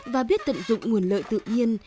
và biết tận dụng nguồn lợi tự nhiên